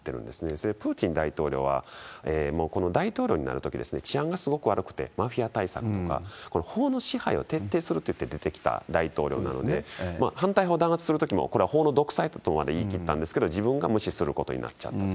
それはプーチン大統領はもうこの大統領になるとき、治安がすごく悪くて、マフィア対策とか、法の支配を徹底するって出てきた大統領なので、反対派を弾圧するときも、これは法の独裁だと言い切ったんですけれども、自分が無視することになっちゃったと。